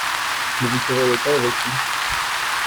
Ne vous querellez pas avec lui.